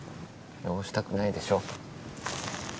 汚したくないでしょ。